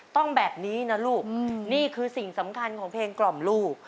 ต้องแบบนี้นะลูกนี่คือสิ่งสำคัญของเพลงกล่อมลูก